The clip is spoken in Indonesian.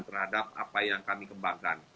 terhadap apa yang kami kembangkan